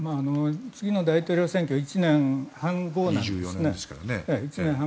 次の大統領選挙１年半後なんですね。